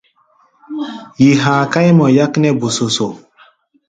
Yi ha̧a̧ káí mɔ yáknɛ́ bósósó.